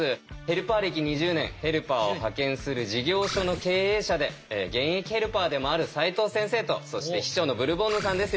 ヘルパー歴２０年ヘルパーを派遣する事業所の経営者で現役ヘルパーでもある齋藤先生とそして秘書のブルボンヌさんです。